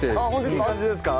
いい感じですか？